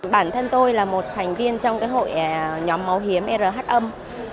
bản thân tôi là một thành viên trong hội nhóm máu hiếm rh âm